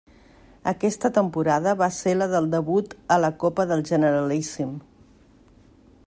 Aquesta temporada va ser la del debut a la Copa del Generalíssim.